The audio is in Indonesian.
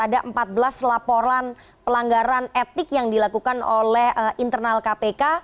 ada empat belas laporan pelanggaran etik yang dilakukan oleh internal kpk